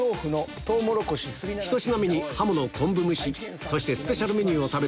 １品目にハモの昆布蒸しそしてスペシャルメニューを食べたノブ